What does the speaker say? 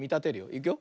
いくよ。